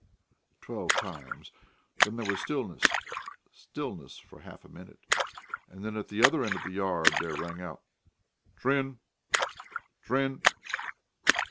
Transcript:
dair ... dair ... dair ..." twelve times. Then there was stillness, stillness for half a minute, and at the other end of the yard there rang out. "Drin ... drin ...